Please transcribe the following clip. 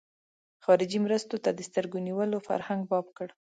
خارجي مرستو ته د سترګو نیولو فرهنګ باب کړ.